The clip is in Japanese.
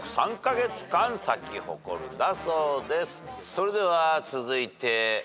それでは続いて昴